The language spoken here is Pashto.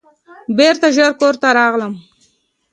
بیرته ژر کور ته راغلم.